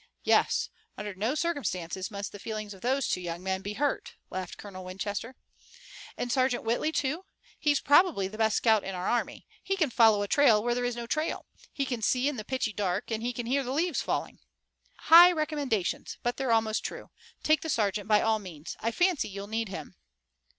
"Yes. Under no circumstances must the feelings of those two young men be hurt," laughed Colonel Winchester. "And Sergeant Whitley, too? He's probably the best scout in our army. He can follow a trail where there is no trail. He can see in the pitchy dark, and he can hear the leaves falling." "High recommendations, but they're almost true. Take the sergeant by all means. I fancy you'll need him."